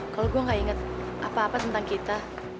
kalau gue gak inget apa apa tentang kita